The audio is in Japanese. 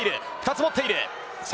２つ持っている。